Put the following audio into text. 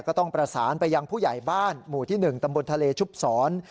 ก็ต้องประสานไปยังผู้ใหญ่บ้านหมู่ที่๑ตำบลทะเลชุบศร